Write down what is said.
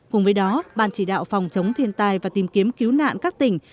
cùng với đó ban chỉ đạo phòng chống thiên tai và tìm kiếm cứu nạn các tỉnh